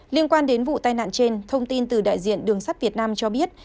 liên quan đến vụ tai nạn trên thông tin từ đại diện đường sắt việt nam cho biết